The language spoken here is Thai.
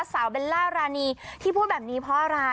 เบลล่ารานีที่พูดแบบนี้เพราะอะไร